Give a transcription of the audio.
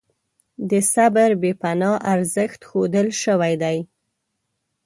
د صبر بې پناه ارزښت ښودل شوی دی.